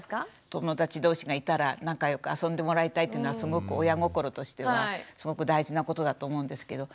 友だち同士がいたら仲良く遊んでもらいたいっていうのはすごく親心としてはすごく大事なことだと思うんですけど。